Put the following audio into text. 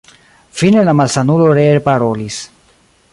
Fine la malsanulo ree parolis: